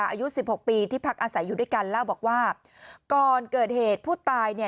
อายุสิบหกปีที่พักอาศัยอยู่ด้วยกันเล่าบอกว่าก่อนเกิดเหตุผู้ตายเนี่ย